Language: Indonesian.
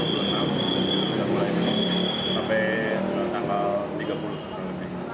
kita mulai sampai tanggal tiga puluh